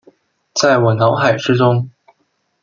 在我脑海之中